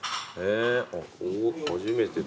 おっ初めてだ。